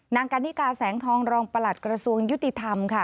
กันนิกาแสงทองรองประหลัดกระทรวงยุติธรรมค่ะ